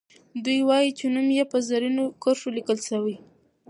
دوي وايي چې نوم یې په زرینو کرښو لیکل سوی.